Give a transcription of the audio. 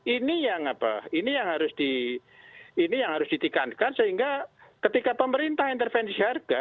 ini yang apa ini yang harus ditikankan sehingga ketika pemerintah intervensi harga